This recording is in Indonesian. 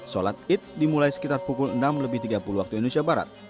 sholat id dimulai sekitar pukul enam lebih tiga puluh waktu indonesia barat